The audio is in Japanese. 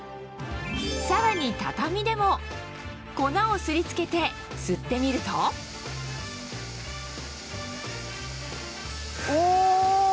さらに畳でも粉をすり付けて吸ってみるとお！